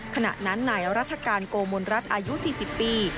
ขณะนั้นนายรัฐกาลโกมลรัฐอายุ๔๐ปี